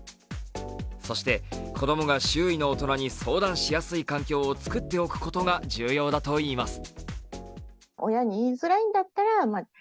そして子供が周囲の大人に相談しやすい環境を作っておくことが重要だといいます。